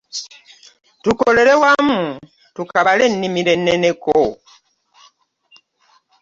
Tukolere wamu tukabale ennimiro enneneko.